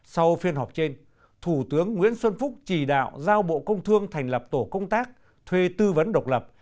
sau phiên họp trên thủ tướng nguyễn xuân phúc chỉ đạo giao bộ công thương thành lập tổ công tác thuê tư vấn độc lập